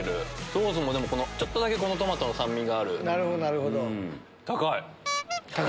ソースもちょっとだけトマトの酸味がある。